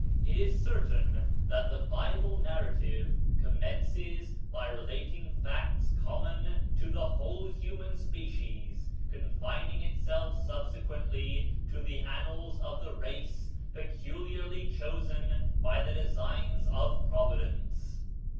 It is certain that the Bible narrative commences by relating facts common to the whole human species, confining itself subsequently to the annals of the race peculiarly chosen by the designs of Providence."